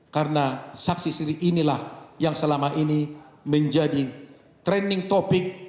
karena saksi sri inilah yang selama ini menjadi trending topic